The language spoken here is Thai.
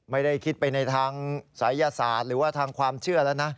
ไม่ได้คิดไปในทางศัยยศาสตร์หรือว่าทางความเชื่อแล้วนะ